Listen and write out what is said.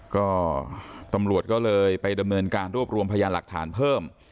ก็ตำรวจก็เลยไปดำเนินการรวบรวมพยานหลักฐานเพิ่ม